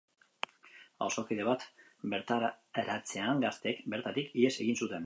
Auzokide bat bertaratzean, gazteek bertatik ihes egin zuten.